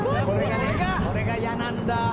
これがイヤなんだ。